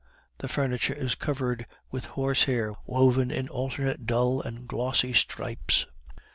The furniture is covered with horse hair woven in alternate dull and glossy stripes.